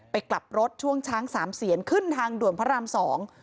กลับรถช่วงช้างสามเสียนขึ้นทางด่วนพระรามสอง